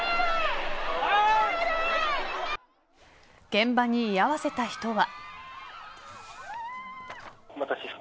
現場に居合わせた人は。